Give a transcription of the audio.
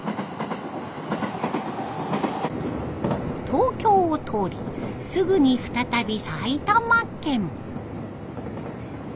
東京を通りすぐに再び埼玉県。